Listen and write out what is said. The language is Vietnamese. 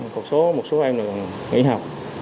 một số em còn nghỉ học